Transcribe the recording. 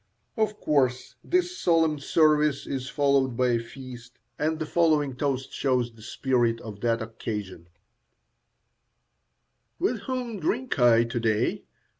Of course this solemn service is followed by a feast, and the following toast shows the spirit of that occasion: With whom drink I to day?